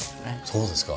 そうですか。